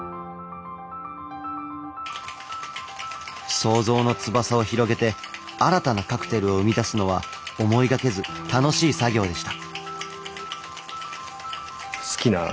想像の翼を広げて新たなカクテルを生み出すのは思いがけず楽しい作業でした。